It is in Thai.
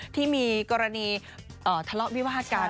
ที่มีกรณีทะเลาะวิวาดกัน